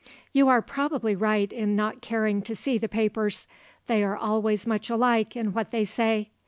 You are probably right in not caring to see the papers; they are always much alike in what they say.